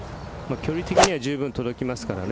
距離的には十分届きますからね。